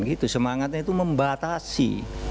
gitu semangatnya itu membatasi